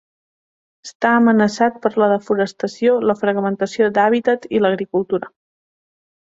Està amenaçat per la desforestació, la fragmentació d'hàbitat i l'agricultura.